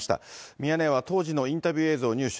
ミヤネ屋は当時のインタビュー映像を入手。